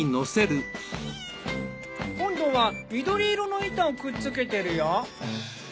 今度は緑色の板をくっつけてるよ。